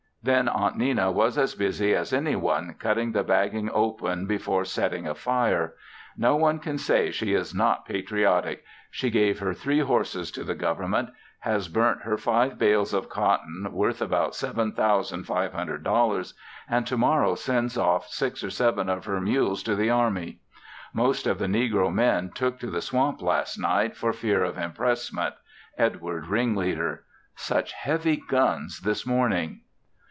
Then Aunt Nenna was as busy as anyone, cutting the bagging open before setting a fire. No one can say she is not patriotic; she gave her three horses to the government; has burnt her five bales of cotton, worth about $7,500, and tomorrow sends off six or seven of her mules to the army. Most of the negro men took to the swamp last night for fear of impressment, Edward ringleader! Such heavy guns this morning!